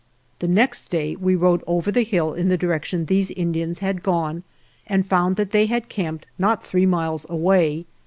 The next day we rode over the hill in the direction these Indians had gone and found that they had camped not three miles away.